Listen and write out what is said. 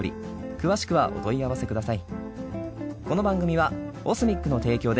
詳しくはお問い合わせください。